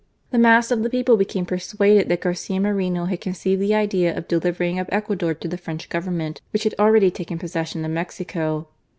The mass of the people became persuaded that Garcia Moreno had conceived the idea of delivering up Ecuador to the French Government, which had already taken possession of Mexico.